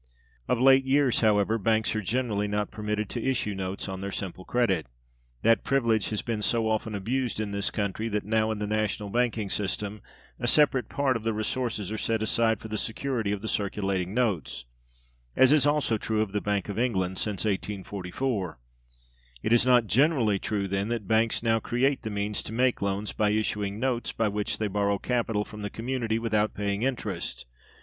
Of late years, however, banks are generally not permitted to issue notes on their simple credit. That privilege has been so often abused in this country that now, in the national banking system, a separate part of the resources are set aside for the security of the circulating notes (as is also true of the Bank of England since 1844). It is not generally true, then, that banks now create the means to make loans by issuing notes by which they borrow capital from the community without paying interest.